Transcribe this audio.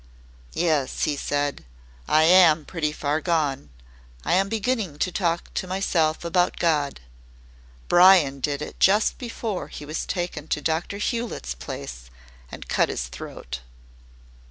"Yes," he said. "I am pretty far gone. I am beginning to talk to myself about God. Bryan did it just before he was taken to Dr. Hewletts' place and cut his throat."